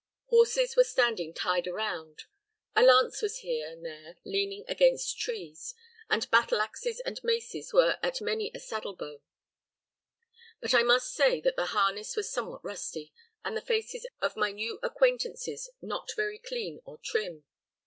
Horses were standing tied around. A lance was here and there leaning against the trees, and battle axes and maces were at many a saddle bow; but I must say that the harness was somewhat rusty, and the faces of my new acquaintances not very clean or trim.